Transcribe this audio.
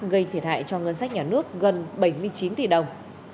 gây thiệt hại cho ngân sách nhà nước gần bảy mươi chín tỷ đồng